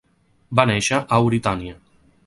Va néixer a Euritània.